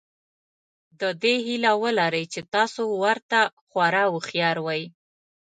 د دې هیله ولرئ چې تاسو ورته خورا هوښیار وئ.